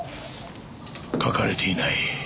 書かれていない。